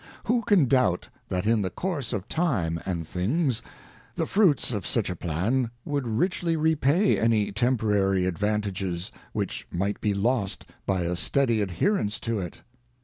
ŌĆö Who can doubt that in the course of time and things, the fruits of such a plan would richly repay any temporary advantages, which might be lost by a steady adherence to it